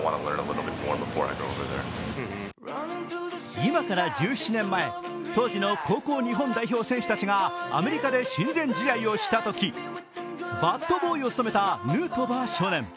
今から１７年前、当時の高校日本代表だった選手がアメリカで親善試合をしたときバットボーイを務めたヌートバー少年。